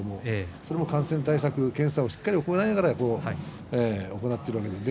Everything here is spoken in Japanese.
それも感染対策で検査をしっかりして行っています。